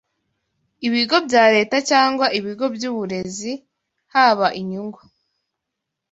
ibigo bya leta cyangwa ibigo byuburezi haba inyungu